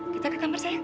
kita ke kamar sayang yuk